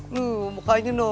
nuh mukanya noh